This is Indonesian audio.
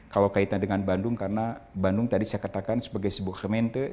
kalau kaitan dengan bandung karena bandung tadi saya katakan sebagai sebuah kementer